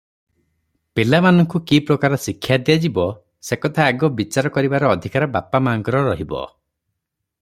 ପିଲାମାନଙ୍କୁ କି ପ୍ରକାର ଶିକ୍ଷା ଦିଆଯିବ, ସେକଥା ଆଗ ବିଚାର କରିବାର ଅଧିକାର ବାପମାଙ୍କର ରହିବ ।